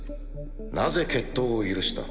なぜ決闘を許した？